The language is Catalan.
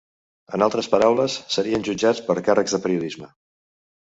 En altres paraules, serien jutjats per càrrecs de periodisme.